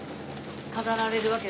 飾られるわけ。